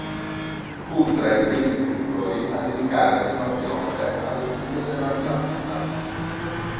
Fu tra i primi scrittori a dedicare le proprie opere allo studio della 'Ndrangheta.